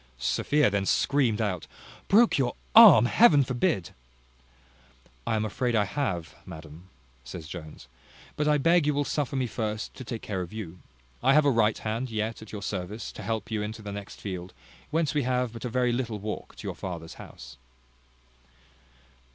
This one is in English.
Sophia then screamed out, "Broke your arm! Heaven forbid." "I am afraid I have, madam," says Jones: "but I beg you will suffer me first to take care of you. I have a right hand yet at your service, to help you into the next field, whence we have but a very little walk to your father's house."